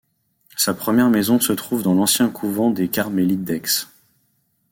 Sa première maison se trouve dans l'ancien couvent des carmélites d'Aix.